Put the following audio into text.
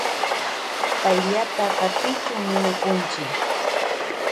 Payllata katichun ninakunchi.